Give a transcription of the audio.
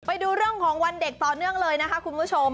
ไปดูเรื่องของวันเด็กต่อเนื่องเลยนะคะคุณผู้ชม